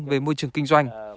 về môi trường kinh doanh